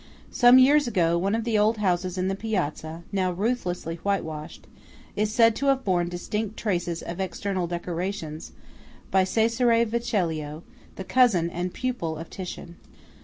Some years ago, one of the old houses in the piazza, now ruthlessly whitewashed, is said to have borne distinct traces of external decorations by Cesare Vecellio, the cousin and pupil of Titian.